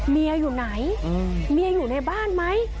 เมียอยู่ไหนเมียอยู่ในบ้านไหม